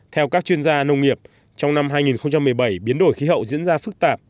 theo các chuyên gia nông nghiệp trong năm hai nghìn một mươi bảy biến đổi khí hậu diễn ra phức tạp